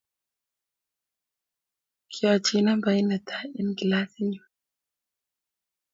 Kiachii nambait ne tai eng' kilasit nyu